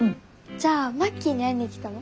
じゃあマッキーに会いに来たの？